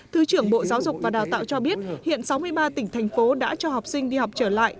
thứ trưởng bộ giáo dục và đào tạo cho biết hiện sáu mươi ba tỉnh thành phố đã cho học sinh đi học trở lại